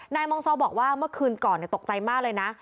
มองซอบอกว่าเมื่อคืนก่อนตกใจมากเลยนะ